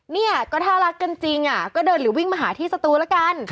เนี่ยก็ถ้ารักกันจริงก็เดินหรือวิ่งมาหาที่สตูละกัน